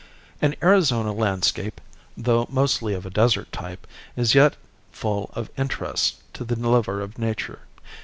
An Arizona landscape, though mostly of a desert type, is yet full of interest to the lover of nature.